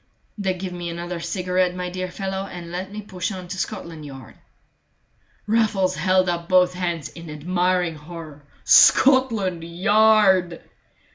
"Then give me another cigarette, my dear fellow, and let me push on to Scotland Yard." Raffles held up both hands in admiring horror. "Scotland Yard!"